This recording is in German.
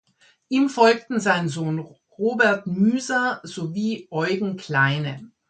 Ihm folgten sein Sohn Robert Müser sowie Eugen Kleine.